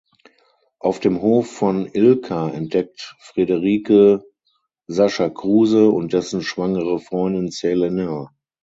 Auf dem Hof von Ilka entdeckt Frederike Sascha Kruse und dessen schwangere Freundin Selena.